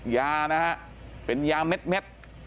ยานะฮะเป็นยาเม็ด